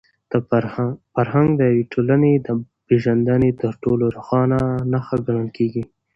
فرهنګ د یوې ټولني د پېژندني تر ټولو روښانه نښه ګڼل کېږي.